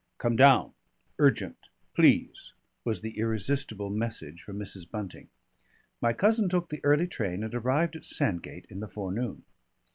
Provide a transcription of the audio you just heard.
"Come down. Urgent. Please," was the irresistible message from Mrs. Bunting. My cousin took the early train and arrived at Sandgate in the forenoon.